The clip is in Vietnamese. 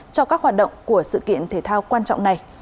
cho các hoạt động của sự kiện thể thao quan trọng này